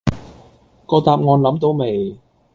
個答案諗到未